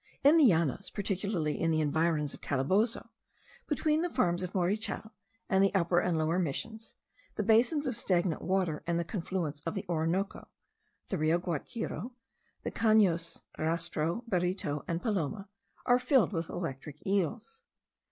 In the Llanos, particularly in the environs of Calabozo, between the farms of Morichal and the Upper and Lower Missions, the basins of stagnant water and the confluents of the Orinoco (the Rio Guarico and the canos Rastro, Berito, and Paloma) are filled with electric eels.